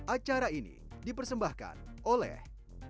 acara ini dipersembahkan oleh